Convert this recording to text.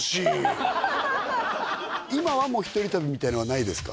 今はもう一人旅みたいなのはないですか？